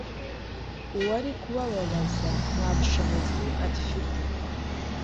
uwari kubabaza ntabushobozi agifite